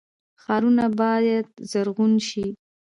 ښارونه باید زرغون شي